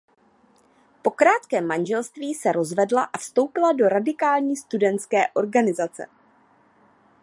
Po krátkém manželství se rozvedla a vstoupila do radikální studentské organizace.